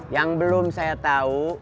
yang belum saya tahu